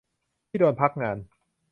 ที่โดนพักงาน